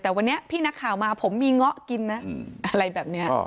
แต่วันนี้พี่นักข่าวมาผมมีเงาะกินนะอะไรแบบนี้